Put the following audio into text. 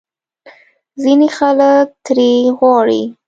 ځینې خلک ترې غواړي